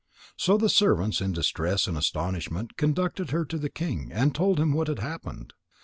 So the servants, in distress and astonishment, conducted her to the king and told him what had happened.